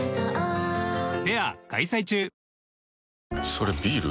それビール？